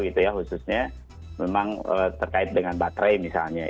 khususnya memang terkait dengan baterai misalnya